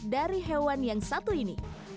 dari hewan yang satu ini